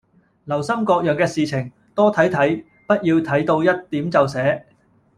留心各樣嘅事情，多睇睇，不要睇到一點就寫